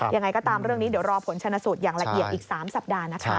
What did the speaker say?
ยังไงก็ตามเรื่องนี้เดี๋ยวรอผลชนะสูตรอย่างละเอียดอีก๓สัปดาห์นะคะ